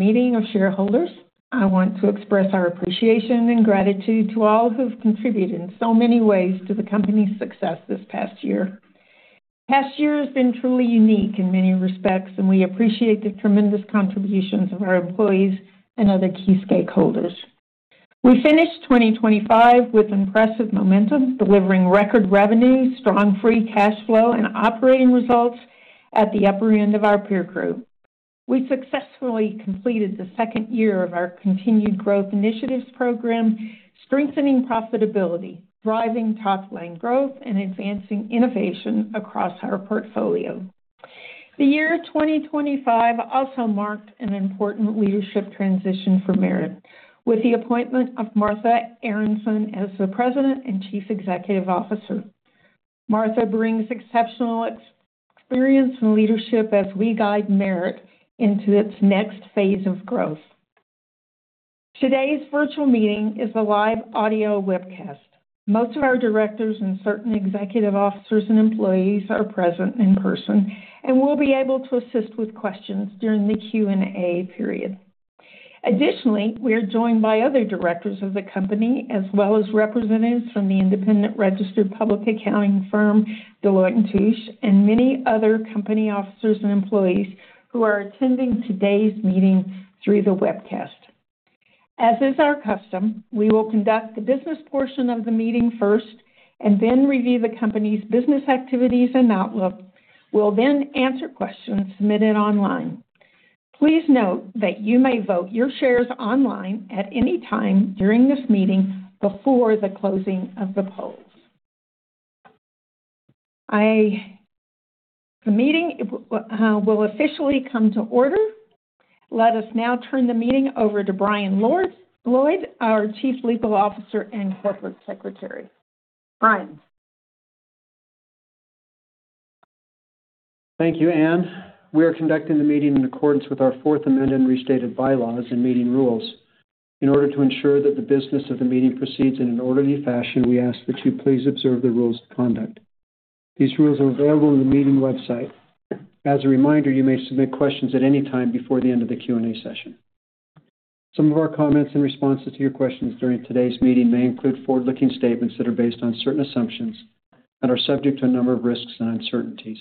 Meeting of shareholders. I want to express our appreciation and gratitude to all who've contributed in so many ways to the company's success this past year. The past year has been truly unique in many respects, and we appreciate the tremendous contributions of our employees and other key stakeholders. We finished 2025 with impressive momentum, delivering record revenue, strong free cash flow, and operating results at the upper end of our peer group. We successfully completed the second year of our Continued Growth Initiatives Program, strengthening profitability, driving top-line growth, and advancing innovation across our portfolio. The year 2025 also marked an important leadership transition for Merit with the appointment of Martha Aronson as the President and Chief Executive Officer. Martha brings exceptional experience and leadership as we guide Merit into its next phase of growth. Today's virtual meeting is a live audio webcast. Most of our directors and certain executive officers and employees are present in person and will be able to assist with questions during the Q&A period. Additionally, we are joined by other directors of the company, as well as representatives from the independent registered public accounting firm, Deloitte & Touche, and many other company officers and employees who are attending today's meeting through the webcast. As is our custom, we will conduct the business portion of the meeting first and then review the company's business activities and outlook. We'll then answer questions submitted online. Please note that you may vote your shares online at any time during this meeting before the closing of the polls. The meeting will officially come to order. Let us now turn the meeting over to Brian Lloyd, our Chief Legal Officer and Corporate Secretary. Brian. Thank you, Ann. We are conducting the meeting in accordance with our Fourth Amended and Restated Bylaws and meeting rules. In order to ensure that the business of the meeting proceeds in an orderly fashion, we ask that you please observe the rules of conduct. These rules are available on the meeting website. As a reminder, you may submit questions at any time before the end of the Q&A session. Some of our comments and responses to your questions during today's meeting may include forward-looking statements that are based on certain assumptions and are subject to a number of risks and uncertainties.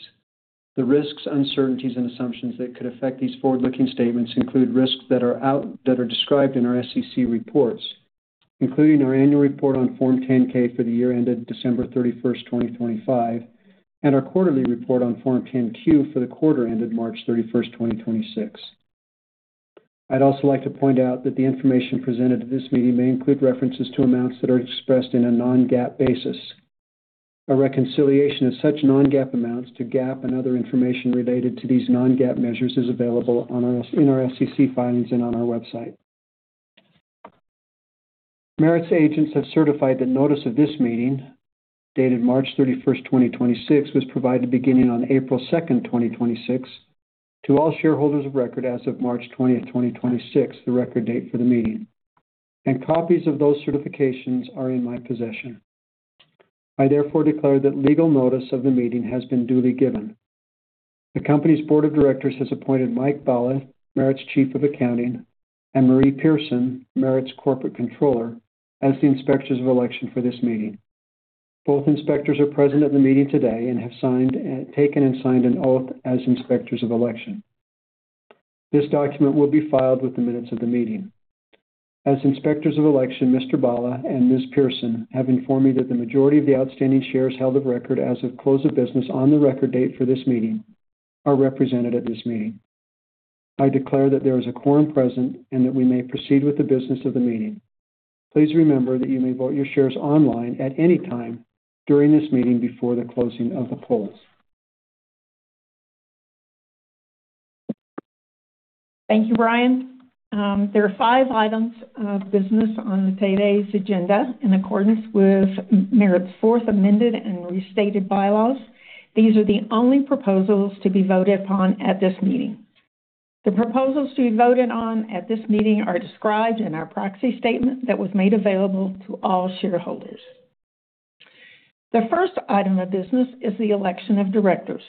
The risks, uncertainties, and assumptions that could affect these forward-looking statements include risks that are described in our SEC reports, including our annual report on Form 10-K for the year ended December 31st, 2025, and our quarterly report on Form 10-Q for the quarter ended March 31st, 2026. I'd also like to point out that the information presented at this meeting may include references to amounts that are expressed in a non-GAAP basis. A reconciliation of such non-GAAP amounts to GAAP and other information related to these non-GAAP measures is available in our SEC filings and on our website. Merit's agents have certified the notice of this meeting, dated March 31st, 2026, was provided beginning on April 2nd, 2026, to all shareholders of record as of March 20th, 2026, the record date for the meeting. Copies of those certifications are in my possession. I therefore declare that legal notice of the meeting has been duly given. The company's board of directors has appointed Mike Balle, Merit's Chief of Accounting, and Marie Pehrson, Merit's Corporate Controller, as the Inspectors of Election for this meeting. Both inspectors are present at the meeting today and have taken and signed an oath as Inspectors of Election. This document will be filed with the minutes of the meeting. As Inspectors of Election, Mr. and Ms. Pehrson have informed me that the majority of the outstanding shares held of record as of close of business on the record date for this meeting are represented at this meeting. I declare that there is a quorum present and that we may proceed with the business of the meeting. Please remember that you may vote your shares online at any time during this meeting before the closing of the polls. Thank you, Brian. There are five items of business on today's agenda in accordance with Merit's Fourth Amended and Restated Bylaws. These are the only proposals to be voted upon at this meeting. The proposals to be voted on at this meeting are described in our proxy statement that was made available to all shareholders. The first item of business is the election of directors,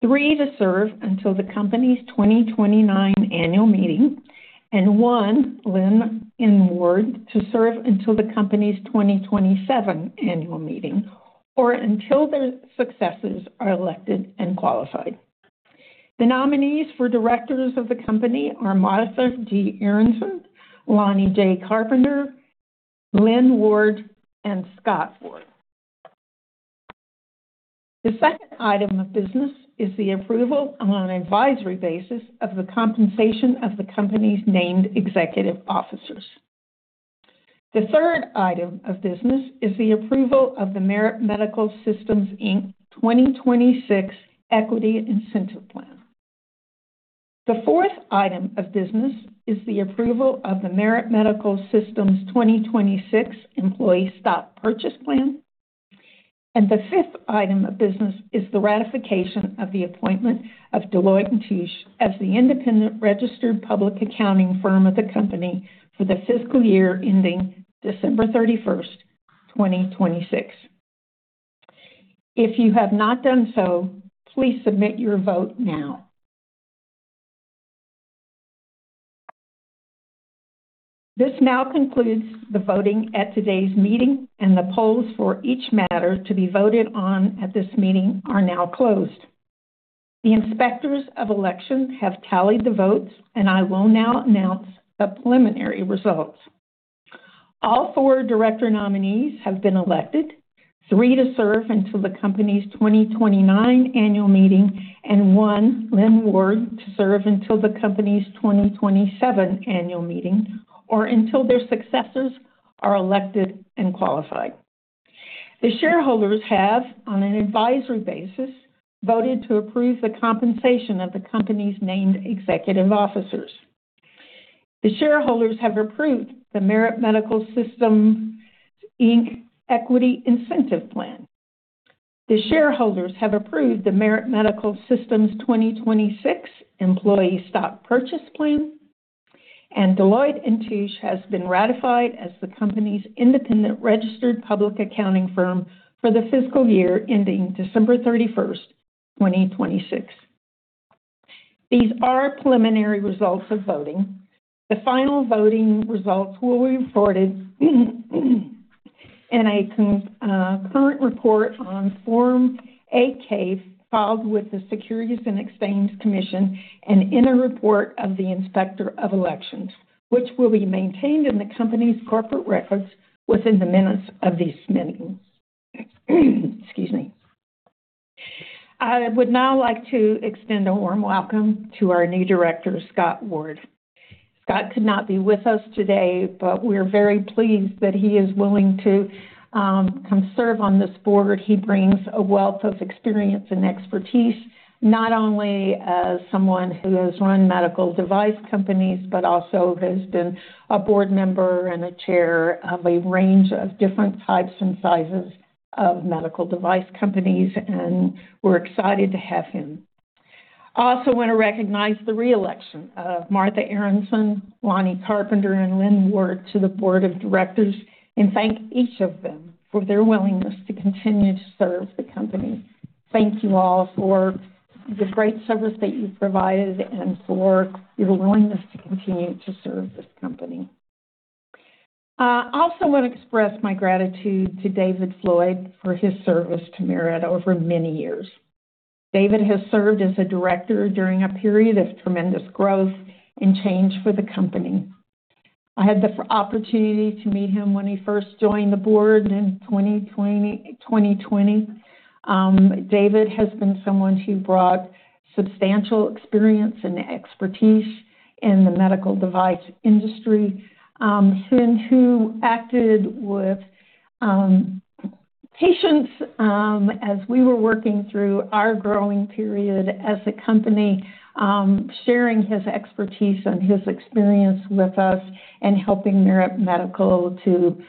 three to serve until the company's 2029 annual meeting and one, Lynne N. Ward, to serve until the company's 2027 annual meeting or until their successors are elected and qualified. The nominees for directors of the company are Martha G. Aronson, Lonny J. Carpenter, Lynne Ward, and Scott Ward. The second item of business is the approval on an advisory basis of the compensation of the company's named executive officers. The third item of business is the approval of the Merit Medical Systems, Inc. 2026 Equity Incentive Plan. The fourth item of business is the approval of the Merit Medical Systems' 2026 Employee Stock Purchase Plan. The fifth item of business is the ratification of the appointment of Deloitte & Touche as the independent registered public accounting firm of the company for the fiscal year ending December 31st, 2026. If you have not done so, please submit your vote now. This now concludes the voting at today's meeting, and the polls for each matter to be voted on at this meeting are now closed. The Inspectors of Election have tallied the votes, and I will now announce the preliminary results. All four director nominees have been elected. Three to serve until the company's 2029 annual meeting, and one, Lynne Ward, to serve until the company's 2027 annual meeting or until their successors are elected and qualified. The shareholders have, on an advisory basis, voted to approve the compensation of the company's named executive officers. The shareholders have approved the Merit Medical Systems, Inc. Equity Incentive Plan. The shareholders have approved the Merit Medical Systems 2026 Employee Stock Purchase Plan. Deloitte & Touche has been ratified as the company's independent registered public accounting firm for the fiscal year ending December 31st, 2026. These are preliminary results of voting. The final voting results will be reported in a current report on Form 8-K filed with the Securities and Exchange Commission and in a report of the Inspector of Elections, which will be maintained in the company's corporate records within the minutes of these meetings. Excuse me. I would now like to extend a warm welcome to our new director, Scott Ward. Scott could not be with us today, but we're very pleased that he is willing to come serve on this board. He brings a wealth of experience and expertise, not only as someone who has run medical device companies but also has been a board member and a chair of a range of different types and sizes of medical device companies, and we're excited to have him. I also want to recognize the re-election of Martha Aronson, Lonny Carpenter, and Lynne Ward to the board of directors and thank each of them for their willingness to continue to serve the company. Thank you all for the great service that you've provided and for your willingness to continue to serve this company. I also want to express my gratitude to David Floyd for his service to Merit over many years. David has served as a Director during a period of tremendous growth and change for the company. I had the opportunity to meet him when he first joined the board in 2020. David has been someone who brought substantial experience and expertise in the medical device industry, and who acted with patience as we were working through our growing period as a company, sharing his expertise and his experience with us and helping Merit Medical to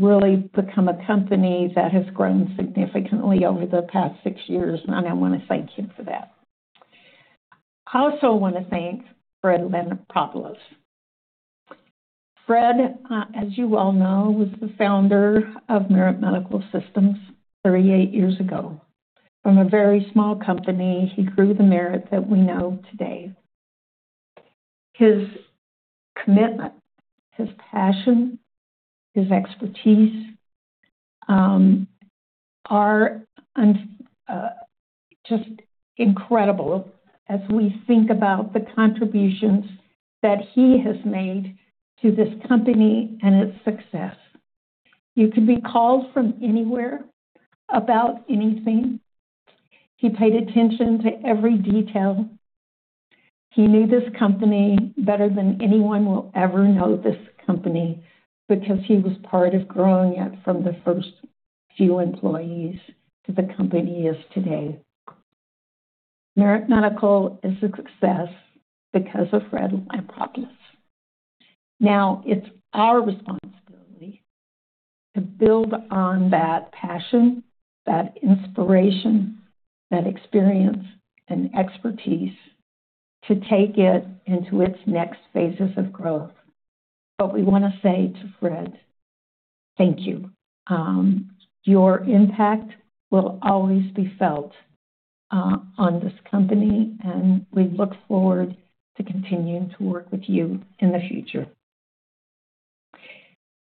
really become a company that has grown significantly over the past six years. I wanna thank him for that. I also wanna thank Fred Lampropoulos. Fred, as you well know, was the founder of Merit Medical Systems 38 years ago. From a very small company, he grew the Merit that we know today. His commitment, his passion, his expertise are just incredible as we think about the contributions that he has made to this company and its success. You could be called from anywhere about anything. He paid attention to every detail. He knew this company better than anyone will ever know this company because he was part of growing it from the first few employees to the company it is today. Merit Medical is a success because of Fred Lampropoulos. It's our responsibility to build on that passion, that inspiration, that experience and expertise to take it into its next phases of growth. We wanna say to Fred, thank you. Your impact will always be felt on this company, and we look forward to continuing to work with you in the future.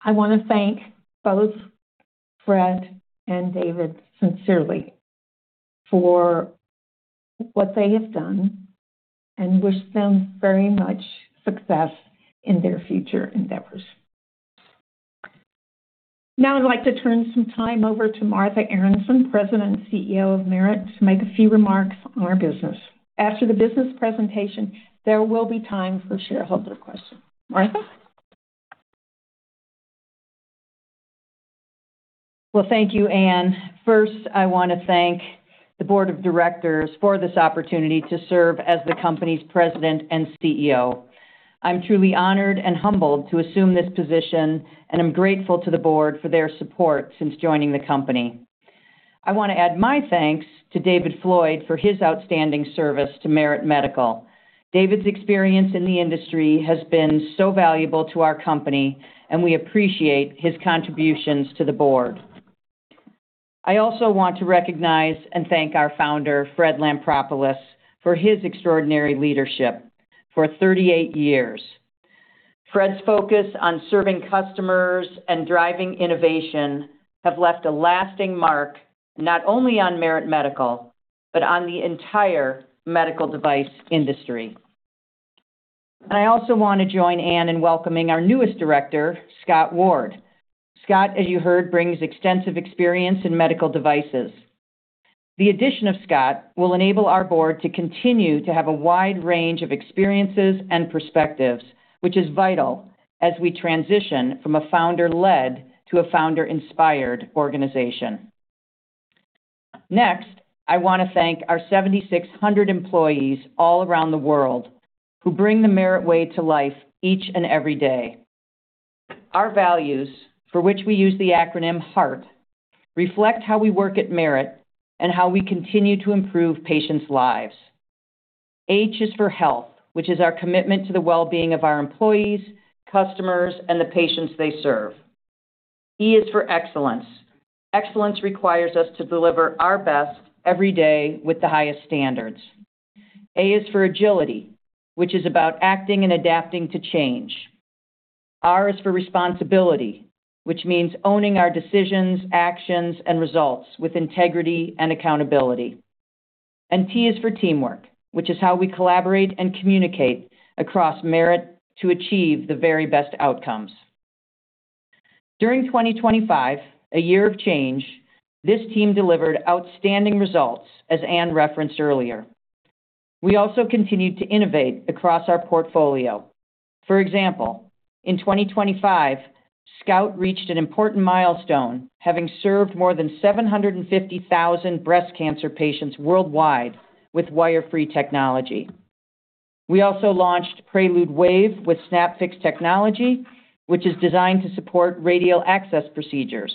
I wanna thank both Fred and David sincerely for what they have done and wish them very much success in their future endeavors. I'd like to turn some time over to Martha Aronson, President and CEO of Merit, to make a few remarks on our business. After the business presentation, there will be time for shareholder questions. Martha? Well, thank you, Ann. First, I wanna thank the board of directors for this opportunity to serve as the company's President and CEO. I'm truly honored and humbled to assume this position, and I'm grateful to the board for their support since joining the company. I wanna add my thanks to David Floyd for his outstanding service to Merit Medical. David's experience in the industry has been so valuable to our company, and we appreciate his contributions to the board. I also want to recognize and thank our founder, Fred Lampropoulos, for his extraordinary leadership for 38 years. Fred's focus on serving customers and driving innovation have left a lasting mark, not only on Merit Medical, but on the entire medical device industry. I also wanna join Ann in welcoming our newest director, Scott Ward. Scott, as you heard, brings extensive experience in medical devices. The addition of Scott will enable our board to continue to have a wide range of experiences and perspectives, which is vital as we transition from a founder-led to a founder-inspired organization. Next, I wanna thank our 7,600 employees all around the world who bring the Merit way to life each and every day. Our values, for which we use the acronym HEART, reflect how we work at Merit and how we continue to improve patients' lives. H is for health, which is our commitment to the well-being of our employees, customers, and the patients they serve. E is for excellence. Excellence requires us to deliver our best every day with the highest standards. A is for agility, which is about acting and adapting to change. R is for responsibility, which means owning our decisions, actions, and results with integrity and accountability. T is for teamwork, which is how we collaborate and communicate across Merit to achieve the very best outcomes. During 2025, a year of change, this team delivered outstanding results as Ann referenced earlier. We also continued to innovate across our portfolio. For example, in 2025, SCOUT reached an important milestone, having served more than 750,000 breast cancer patients worldwide with wire-free technology. We also launched Prelude Wave with SnapFix Technology, which is designed to support radial access procedures.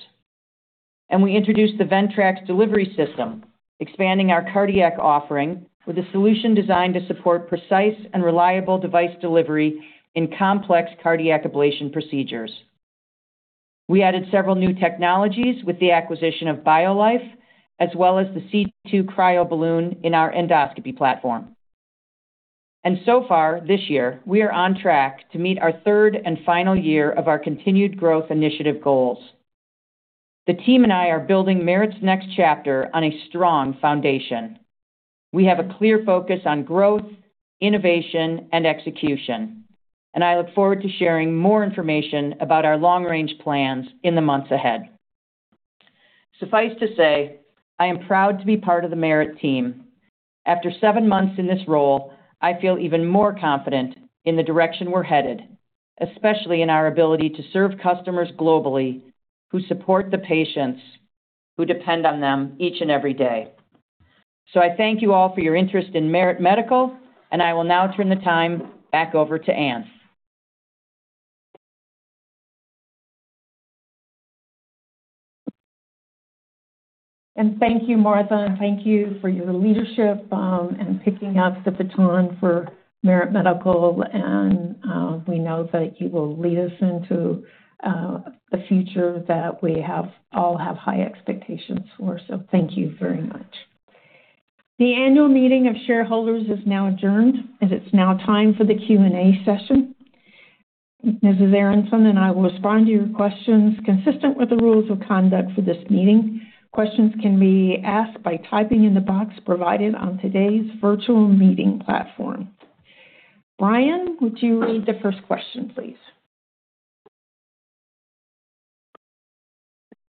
We introduced the Ventrax Delivery System, expanding our cardiac offering with a solution designed to support precise and reliable device delivery in complex cardiac ablation procedures. We added several new technologies with the acquisition of Biolife, as well as the C2 CryoBalloon in our endoscopy platform. So far this year, we are on track to meet our third and final year of our Continued Growth Initiative goals. The team and I are building Merit's next chapter on a strong foundation. We have a clear focus on growth, innovation, and execution, and I look forward to sharing more information about our long-range plans in the months ahead. Suffice to say, I am proud to be part of the Merit team. After seven months in this role, I feel even more confident in the direction we're headed, especially in our ability to serve customers globally who support the patients who depend on them each and every day. I thank you all for your interest in Merit Medical, and I will now turn the time back over to Ann. Thank you, Martha. Thank you for your leadership in picking up the baton for Merit Medical. We know that you will lead us into the future that we have all have high expectations for. Thank you very much. The annual meeting of shareholders is now adjourned as it's now time for the Q&A session. Mrs. Aronson and I will respond to your questions consistent with the rules of conduct for this meeting. Questions can be asked by typing in the box provided on today's virtual meeting platform. Brian, would you read the first question, please?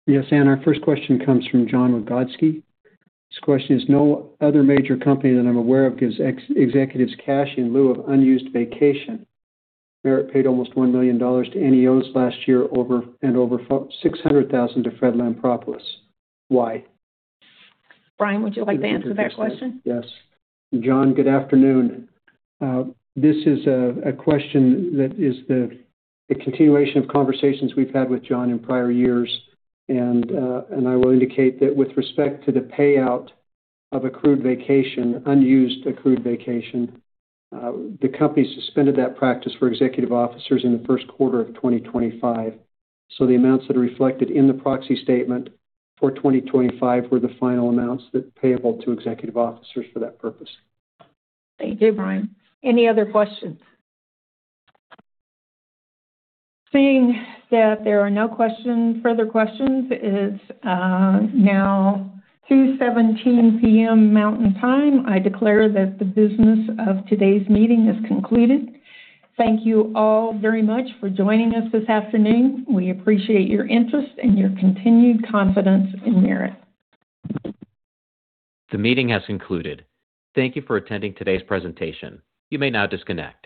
Yes, Ann. Our first question comes from John Rogalski. His question is: No other major company that I'm aware of gives ex-executives cash in lieu of unused vacation. Merit paid almost $1 million to NEOs last year, and over $600,000 to Fred Lampropoulos. Why? Brian, would you like to answer that question? Yes. John, good afternoon. This is a question that is the continuation of conversations we've had with John in prior years. I will indicate that with respect to the payout of accrued vacation, unused accrued vacation, the company suspended that practice for executive officers in the first quarter of 2025. The amounts that are reflected in the proxy statement for 2025 were the final amounts that payable to executive officers for that purpose. Thank you, Brian. Any other questions? Seeing that there are no further questions, it is now 2:17 P.M. Mountain Time. I declare that the business of today's meeting is concluded. Thank you all very much for joining us this afternoon. We appreciate your interest and your continued confidence in Merit. The meeting has concluded. Thank you for attending today's presentation. You may now disconnect.